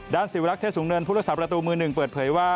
ด้านสิวรักษ์เทศสูงเนินพุทธศาสตร์ประตูมือ๑เปิดเผยว่า